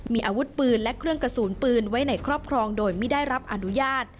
มีอาวุธปืนและเครื่องกระสุนปืนไว้ในครอบครองโดยไม่ได้รับอนุญาต